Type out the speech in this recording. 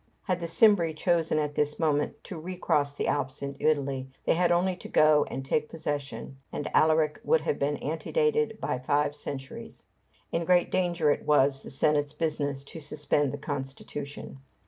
Had the Cimbri chosen at this moment to recross the Alps into Italy, they had only to go and take possession, and Alaric would have been antedated by five centuries. In great danger it was the Senate's business to suspend the constitution.